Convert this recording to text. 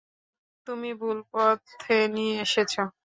তুমি ভুল পথে নিয়ে এসেছ!